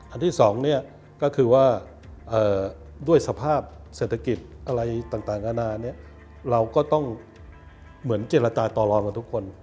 ที่สองเนี่ยก็คือว่าด้วยสภาพเศรษฐกิจอะไรต่างนานาเนี่ยเราก็ต้องเหมือนเจรจาต่อรองกับทุกคน